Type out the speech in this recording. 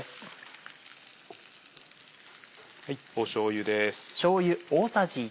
しょうゆです。